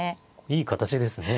いい形ですね。